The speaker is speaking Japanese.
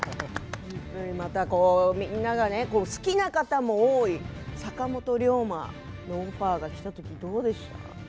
またみんなが、好きな方も多い坂本龍馬のオファーがきたときどうでしたか。